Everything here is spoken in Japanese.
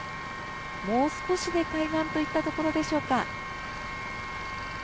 もう少しで開眼といったところでしょうか。